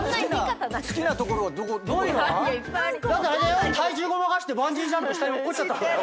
だって体重ごまかしてバンジージャンプ下に落っこったんだよ。